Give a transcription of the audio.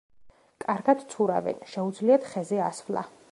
კარგად ცურავენ, შეუძლიათ ხეზე ასვლა.